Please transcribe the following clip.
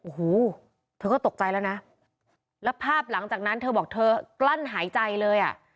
โอ้โหเธอก็ตกใจแล้วนะแล้วภาพหลังจากนั้นเธอบอกเธอกลั้นหายใจเลยอ่ะ